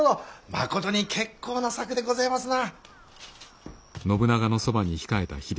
まことに結構な策でごぜますな。